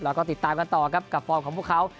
แล้วก็ติดตามกันต่อครับกับฟอร์มของพวกเขา